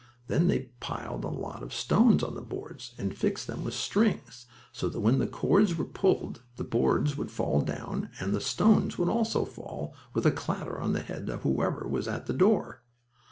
Then they piled a lot of stones on the boards and fixed them with strings, so that when the cords were pulled the boards would fall down and the stones would also fall, with a clatter on the head of whoever was at the door.